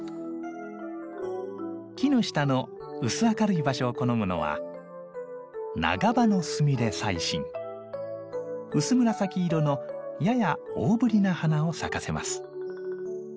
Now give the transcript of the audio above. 木の下の薄明るい場所を好むのは薄紫色のやや大ぶりな花を咲かせます。